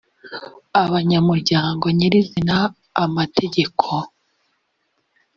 abanyamuryango nyirizina amategeko.